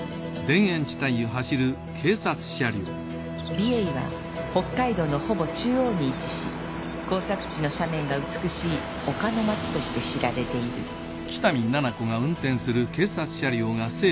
美瑛は北海道のほぼ中央に位置し耕作地の斜面が美しい丘のまちとして知られている美咲がなして。